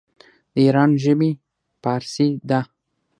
د ایران ژبې فارسي ده.